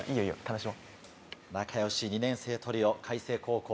仲良し２年生トリオ開成高校。